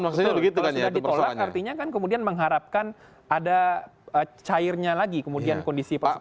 kalau sudah ditolak artinya kan kemudian mengharapkan ada cairnya lagi kemudian kondisi persoalan